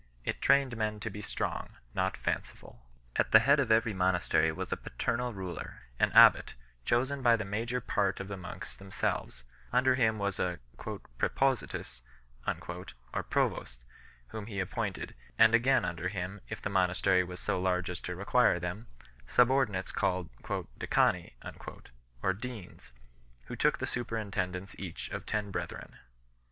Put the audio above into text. It trained men to be strong, not fanciful. At the head of every monastery was a paternal ruler, an abbat, chosen by the major part of the monks them selves; under him was a "prrepositus" or provost whom he appointed, and again under him, if the monastery was so large as to require them, subordinates called "decani" or deans, who took the superintendence each of ten brethren.